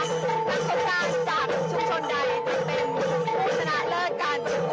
นักสมการจากชุมชนใดจะเป็นผู้แสดงเลิศการสรรควด